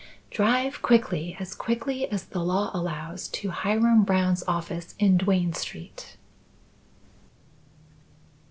"Drive quickly! as quickly as the law allows, to Hiram Brown's office in Duane Street."